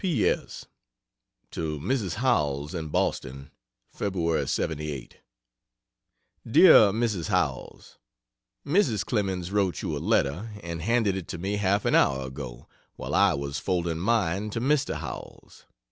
P. S. to Mrs. Howells, in Boston: Feb. '78. DEAR MRS. HOWELLS. Mrs. Clemens wrote you a letter, and handed it to me half an hour ago, while I was folding mine to Mr. Howells.